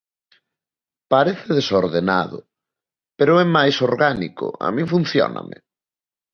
Parece desordenado, pero é máis orgánico, a min funcióname.